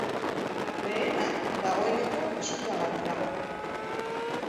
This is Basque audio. Lehena dagoeneko eskuragarri dago.